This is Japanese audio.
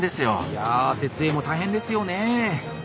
いやあ設営も大変ですよね。